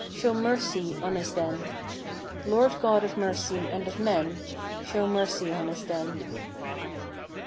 Show mercy on us then ; Lord God of Mercy and of men, Show mercy on us then.